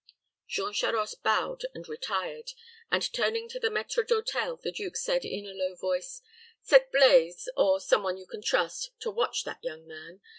Jean Charost bowed and retired; and, turning to the maître d'hôtel, the duke said, in a low voice, "Set Blaize, or some one you can trust, to watch that young man.